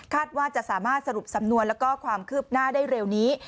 ว่าจะสามารถสรุปสำนวนแล้วก็ความคืบหน้าได้เร็วนี้